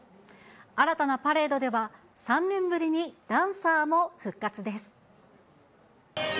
新たなパレードでは、３年ぶりにダンサーも復活です。